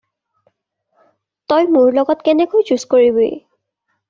তই মোৰ লগত কেনেকৈ যুঁজ কৰিবি?